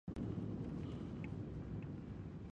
ښايي په راتلونکي کې ستونزې حل شي.